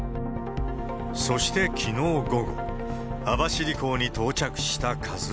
そしてきのう午後、網走港に到着したＫＡＺＵＩ。